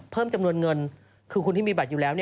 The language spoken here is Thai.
เพิ่มจำนวนเงินคือคุณที่มีบัตรอยู่แล้ว